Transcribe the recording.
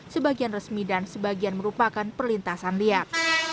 sebagian resmi dan sebagian merupakan perlintasan liar